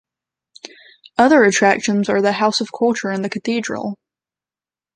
Other attractions are the house of culture and the cathedral.